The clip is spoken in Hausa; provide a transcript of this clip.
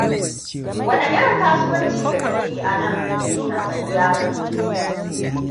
Wane irin kasuwanci ka ke yi anan? tambayi yaron.